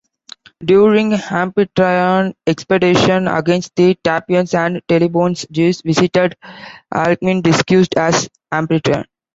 During Amphitryon's expedition against the Taphians and Teleboans, Zeus visited Alcmene disguised as Amphitryon.